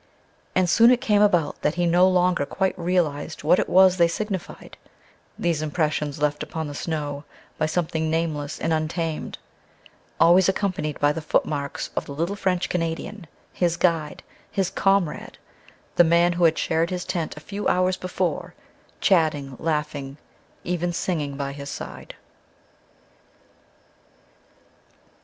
And soon it came about that he no longer quite realized what it was they signified these impressions left upon the snow by something nameless and untamed, always accompanied by the footmarks of the little French Canadian, his guide, his comrade, the man who had shared his tent a few hours before, chatting, laughing, even singing by his side....